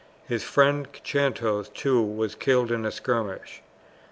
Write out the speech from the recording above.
His friend Chandos, too, was killed in a skirmish.